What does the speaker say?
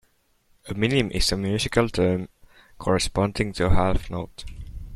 A minim is a musical term corresponding to a half note